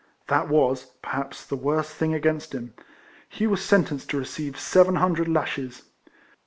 That Avas, perhaps, the worst thing against him. He was sentenced to receive seven hun dred lashes.